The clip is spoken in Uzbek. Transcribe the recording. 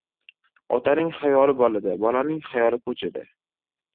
• Otaning xayoli bolada, bolaning xayoli ko‘chada.